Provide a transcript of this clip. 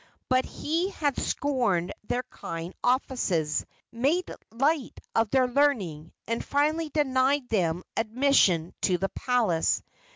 But he had scorned their kind offices, made light of their learning, and finally denied them admission to the palace.